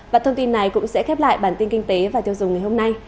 và thông tin này cũng sẽ khép lại bản tin kinh tế và tiêu dùng ngày hôm nay